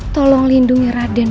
tolong lindungi raden